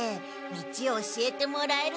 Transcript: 道を教えてもらえると。